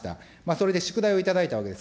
それで宿題を頂いたわけです。